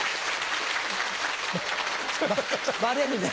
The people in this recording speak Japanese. バレるね。